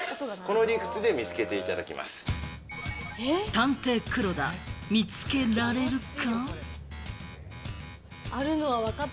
探偵・クロダ、見つけられるか？